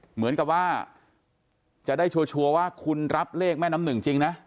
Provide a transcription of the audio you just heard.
เหมือนกับว่าจะได้ชัวร์ว่าคุณรับเลขแม่น้ำหนึ่งจริงนะ